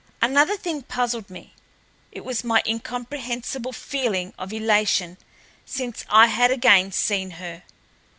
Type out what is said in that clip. Another thing puzzled me—it was my incomprehensible feeling of elation since I had again seen her.